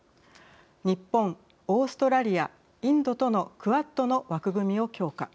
日本、オーストラリアインドとのクアッドの枠組みを強化。